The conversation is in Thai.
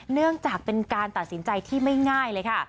เนื่องจากเป็นการตัดสินใจที่ไม่ง่ายเลยค่ะ